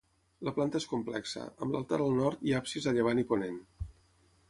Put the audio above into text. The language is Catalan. La planta és complexa, amb l'altar al nord i absis a llevant i ponent.